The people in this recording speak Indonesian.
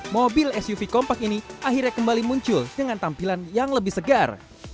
mobil suv kompak ini akhirnya kembali muncul dengan tampilan yang lebih segar